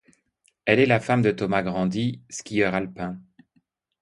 Elle est la femme de Thomas Grandi, skieur alpin.